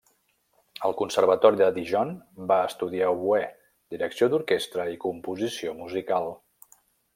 Al Conservatori de Dijon va estudiar oboè, direcció d'orquestra, i composició musical.